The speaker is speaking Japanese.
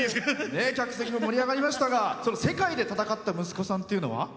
客席、盛り上がりましたが世界で戦った息子さんは？